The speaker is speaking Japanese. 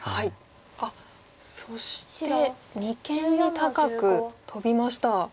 あっそして二間に高くトビました。